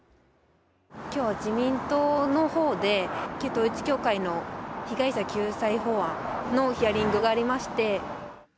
きょうは自民党のほうで、旧統一教会の被害者救済法案のヒアリングがありまして。